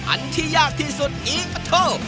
อันที่ยากที่สุดอีปะโท